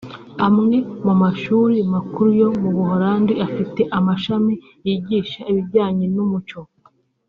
Amwe mu mashuri makuru yo mu Buholandi afite amashami yigisha ibijyanye n’umuco